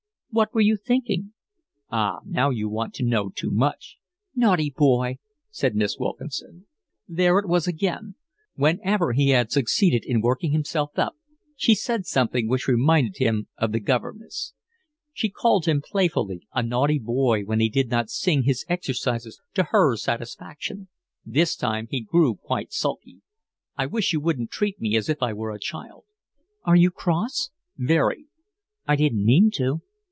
"What were you thinking?" "Ah, now you want to know too much." "Naughty boy!" said Miss Wilkinson. There it was again! Whenever he had succeeded in working himself up she said something which reminded him of the governess. She called him playfully a naughty boy when he did not sing his exercises to her satisfaction. This time he grew quite sulky. "I wish you wouldn't treat me as if I were a child." "Are you cross?" "Very." "I didn't mean to."